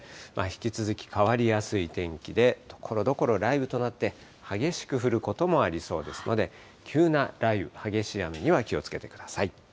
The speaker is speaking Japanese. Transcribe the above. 引き続き変わりやすい天気で、ところどころ雷雨となって、激しく降ることもありそうですので、急な雷雨、激しい雨には気をつけてください。